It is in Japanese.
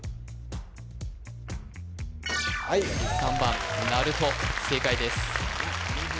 ３番なると正解です